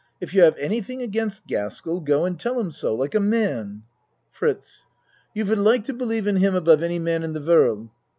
If you have anything against Gaskell go and tell him so like a man. FRITZ You would like to believe in him above any man in the world?